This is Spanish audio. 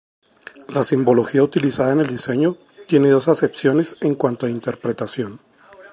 La simbología utilizada en el diseño tiene dos acepciones en cuanto a interpretación.